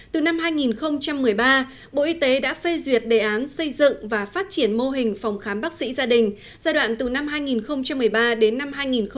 từ năm hai nghìn một mươi ba bộ y tế đã phê duyệt đề án xây dựng và phát triển mô hình phòng khám bác sĩ gia đình giai đoạn từ năm hai nghìn một mươi ba đến năm hai nghìn một mươi chín